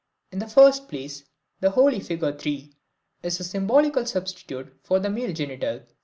In the first place, the holy figure 3 is a symbolical substitute for the entire male genital.